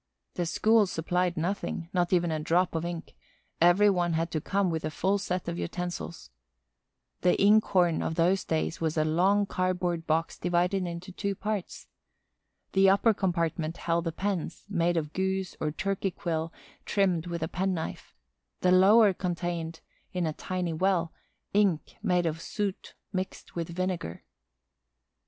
The school supplied nothing, not even a drop of ink; every one had to come with a full set of utensils. The inkhorn of those days was a long cardboard box divided into two parts. The upper compartment held the pens, made of goose or turkey quill trimmed with a penknife; the lower contained, in a tiny well, ink made of soot mixed with vinegar.